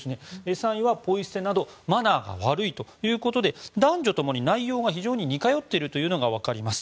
３位はポイ捨てなどマナーが悪いということで男女ともに内容が非常に似通っているのが分かります。